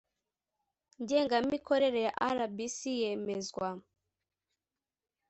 ngengamikorere ya rbc yemezwa